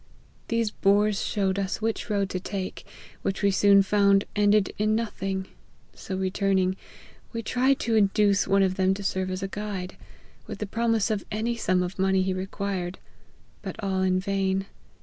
These boors showed us which road to take, which we soon found ended in nothing ; so returning, we tried to induce one of them to serve as a guide, with the promise of any sum of money he required : but all in vain.